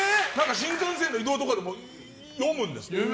新幹線の移動とかでも読むんですって。